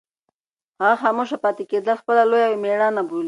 هغه خاموشه پاتې کېدل خپله لویه مېړانه بولي.